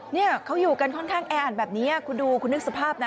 เนี่ยเขาอยู่กันค่อนข้างแออัดแบบนี้คุณดูคุณนึกสภาพนะ